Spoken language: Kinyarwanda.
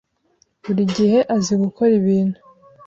buri gihe azi gukora ibintu.